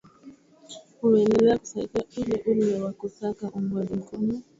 umeendelea kusalia ule ule wa kusaka uungwaji mkono